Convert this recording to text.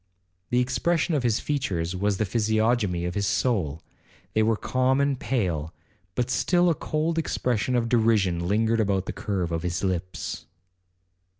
The expression of his features was the physiognomy of his soul,—they were calm and pale, but still a cold expression of derision lingered about the curve of his lips.